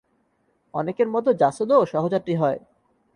অনেকের মতো জাসদও সহযাত্রী হয়।